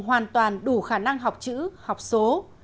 hoàn toàn đủ khả năng học chữ học số